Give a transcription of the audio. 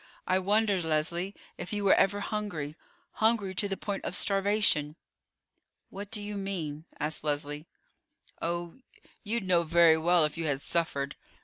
I wonder, Leslie, if you were ever hungry, hungry to the point of starvation." "What do you mean?" asked Leslie. "Oh, you'd know very well if you had suffered.